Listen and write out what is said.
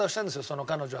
その彼女は。